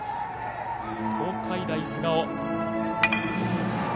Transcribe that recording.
東海大菅生。